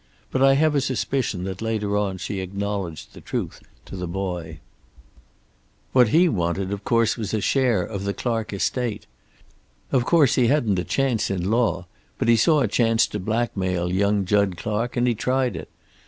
But I have a suspicion that later on she acknowledged the truth to the boy. "What he wanted, of course, was a share of the Clark estate. Of course he hadn't a chance in law, but he saw a chance to blackmail young Jud Clark and he tried it.